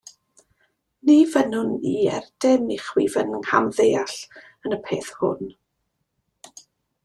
Ni fynnwn i er dim i chwi fy nghamddeall yn y peth hwn.